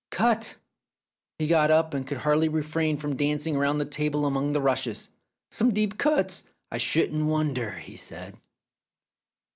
Cut 1 " He got up and could hardly refrain from dancing round the table among the rushes. "Some deep cuts, I shouldn't wonder," he said.